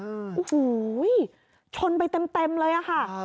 โอ้โหชนไปเต็มเลยอะค่ะ